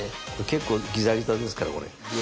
結構ギザギザですからこれ。